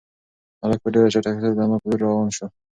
هلک په ډېره چټکتیا سره د انا په لور روان و.